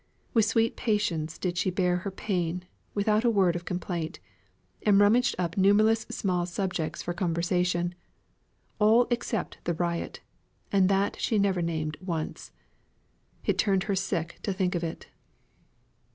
With sweet patience did she bear her pain, without a word of complaint; and rummaged up numberless small subjects for conversation all except the riot, and that she never named once. It turned her sick to think of it.